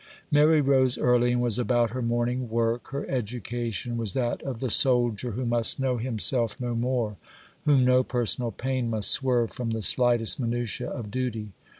Mary rose early and was about her morning work. Her education was that of the soldier, who must know himself no more, whom no personal pain must swerve from the slightest minutiæ of duty.